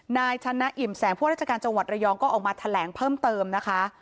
นายชนะอิ่มแสงผู้ราชการจังหวัดระยองก็ออกมาแถลงเพิ่มเติมนะคะ